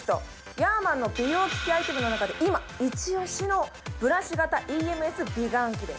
ヤーマンの美容機器アイテムの中で、今イチオシのブラシ型ＥＭＳ美顔器です。